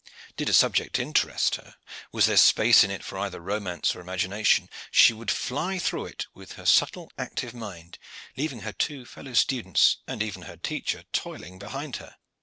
Did a subject interest her, was there space in it for either romance or imagination, she would fly through it with her subtle, active mind, leaving her two fellow students and even her teacher toiling behind her.